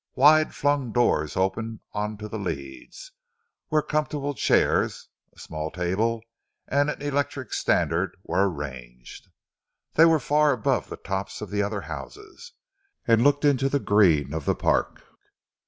Wide flung doors opened onto the leads, where comfortable chairs, a small table and an electric standard were arranged. They were far above the tops of the other houses, and looked into the green of the Park.